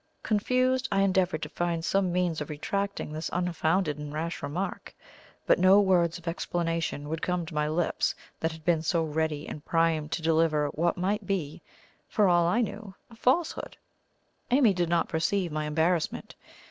Confused, I endeavoured to find some means of retracting this unfounded and rash remark, but no words of explanation would come to my lips that had been so ready and primed to deliver what might be, for all I knew, a falsehood. Amy did not perceive my embarrassment.